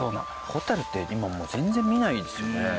ホタルって今もう全然見ないですよね。